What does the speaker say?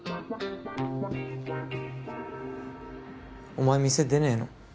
お前店出ねぇの？